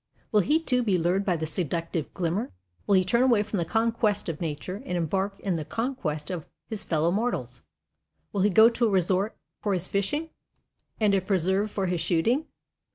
Will he too, be lured by the seductive glimmer? Will he turn away from the conquest of nature and embark in the conquest of his fellow mortals? Will he go to a resort for his fishing and a preserve for his shooting?